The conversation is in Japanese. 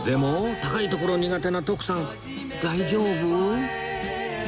高い所苦手な徳さん大丈夫？